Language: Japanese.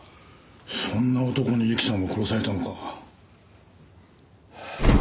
そんな男にゆきさんは殺されたのか。